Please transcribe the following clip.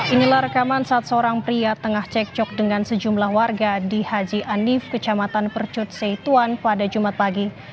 inilah rekaman saat seorang pria tengah cekcok dengan sejumlah warga di haji andif kecamatan percut seituan pada jumat pagi